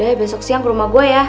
udah ya besok siang ke rumah gue ya